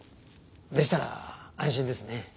でしたら安心ですね。